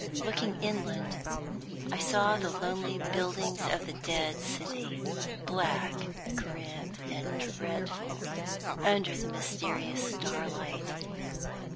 Looking inland, I saw the lonely buildings of the Dead City black, grim, and dreadful under the mysterious starlight.